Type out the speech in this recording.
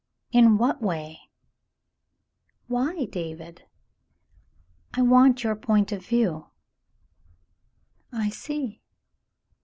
In what way ?" "Why, David ?"^ "I want your point of view." "I see.